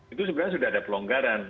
itu sebenarnya sudah ada pelonggaran